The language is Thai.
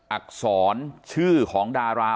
อักษรชื่อของดารา